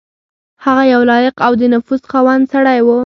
هغه یو لایق او د نفوذ خاوند سړی وو.